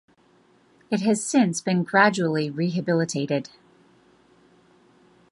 It has since been gradually rehabilitated.